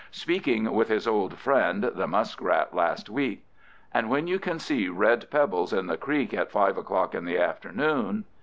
Speaking with his old friend, the muskrat, last week ... And when you can see red pebbles in the creek at five o'clock in the afternoon